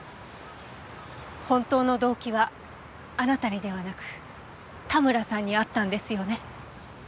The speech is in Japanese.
本当の動機はあなたにではなく田村さんにあったんですよね？